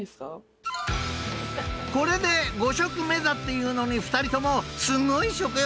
［これで５食目だっていうのに２人ともすごい食欲！］